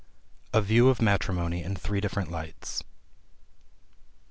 A VIEW OF MATRIMONY IN THREE DIFFERENT LIGHTS.